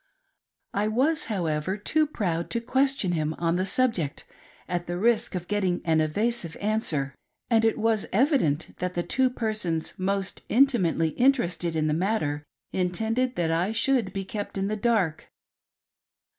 I was, however, too proud to question him on the subjetJt, at the risk of getting an evasive answer, and it was evident that the two persons most intimately interested in the matter intended that I should be kept in the dark.